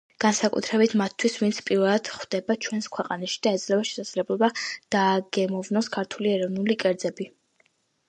განსაკუთრებით მათთვის ვინც პირველად ხვდება ჩვენს ქვეყანაში და ეძლევა შესაძლებლობა დააგემოვნოს ქართული ეროვნული კერძები.